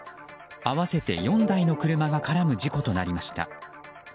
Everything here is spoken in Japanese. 合わせて４台の車が絡む事故となりました。